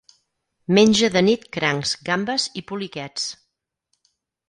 Menja de nit crancs, gambes i poliquets.